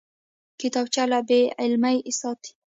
کتابچه له بېعلمۍ ساتي